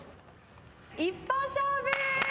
『一本勝負』